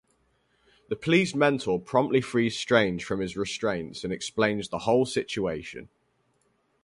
The pleased mentor promptly frees Strange from his restraints and explains the whole situation.